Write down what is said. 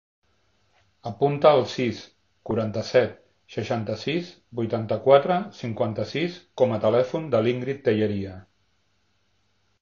Apunta el sis, quaranta-set, seixanta-sis, vuitanta-quatre, cinquanta-sis com a telèfon de l'Íngrid Telleria.